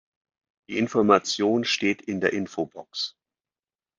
Die Information steht in der Infobox.